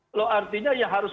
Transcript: kalau artinya yang harus